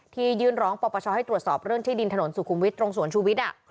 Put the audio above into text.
ยื่นร้องปปชให้ตรวจสอบเรื่องที่ดินถนนสุขุมวิทย์ตรงสวนชูวิทย์